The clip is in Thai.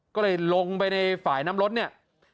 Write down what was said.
ก็เลยลงไปในฝ่ายน้ำรถเนี่ย